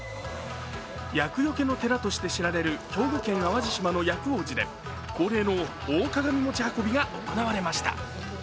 厄よけの寺として知られる兵庫県淡路島の薬王寺で恒例の大鏡餅運びが行われました。